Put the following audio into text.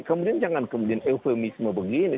kemudian jangan kemudian eufemisme begini